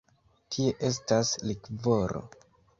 Tie estas likvoro.